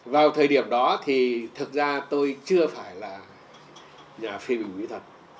vào thời điểm đó thì thực ra tôi chưa phải là nhà phê bình mỹ thuật